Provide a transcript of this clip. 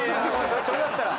それだったら。